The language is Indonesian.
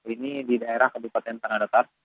ini di daerah kabupaten tanah datar